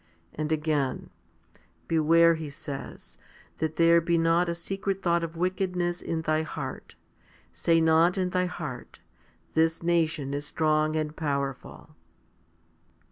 1 And again, Beware, He says, that there be not a secret thought of wickedness in thy heart; say not in thy heart, This nation is strong and powerful.